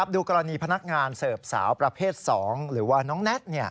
ดูกรณีพนักงานเสิร์ฟสาวประเภท๒หรือว่าน้องแน็ต